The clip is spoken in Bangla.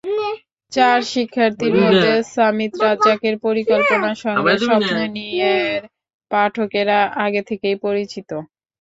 চার শিক্ষার্থীর মধ্যে সামিদ রাজ্জাকের পরিকল্পনার সঙ্গে স্বপ্ন নিয়ের পাঠকেরা আগে থেকেই পরিচিত।